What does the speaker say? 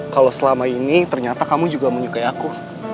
kalau selama ini ternyata kamu juga menyukai aku